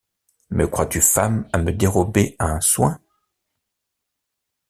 Me crois-tu femme à me dérober à un soin?